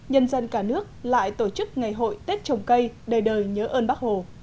nhân dân cả nước lại tổ chức ngày hội tết trồng cây đời đời nhớ ơn bác hồ